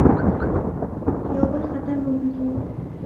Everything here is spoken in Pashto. یو بل خطر موجود وو.